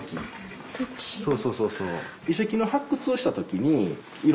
そうそうそうそう。